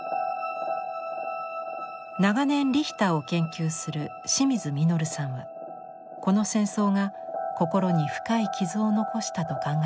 長年リヒターを研究する清水穣さんはこの戦争が心に深い傷を残したと考えています。